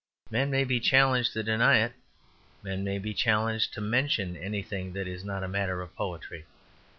Men may be challenged to deny it; men may be challenged to mention anything that is not a matter of poetry.